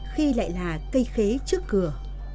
khi lại là cây khế trước cửa